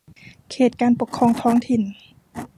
เขตการปกครองท้องถิ่น